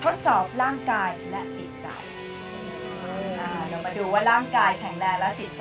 เรามาดูว่าร่างกายแข็งแรงและจิตใจจะแข็งแรงกันหรือเปล่า